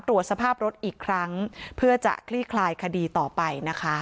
ตรวจสภาพรถอีกครั้งเพื่อจะคลี่คลายคดีต่อไปนะคะ